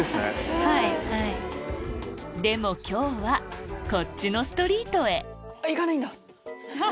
でも今日はこっちのストリートへ行かないんだ。